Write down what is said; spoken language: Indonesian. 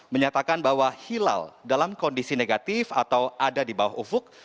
menyatakan bahwa hilal dalam kondisi negatif atau ada di bawah ufuk